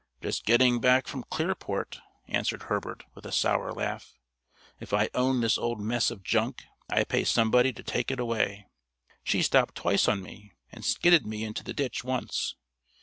"Just getting back from Clearport," answered Herbert, with a sour laugh. "If I owned this old mess of junk I'd pay somebody to take it away. She stopped twice on me and skidded me into the ditch once.